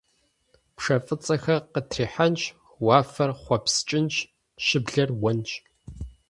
Пшэ фӏыцӏэхэр къытрихьэнщ, уафэр хъуэпскӏынщ, щыблэр уэнщ.